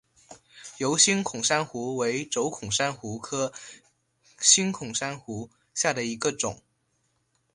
疣星孔珊瑚为轴孔珊瑚科星孔珊瑚下的一个种。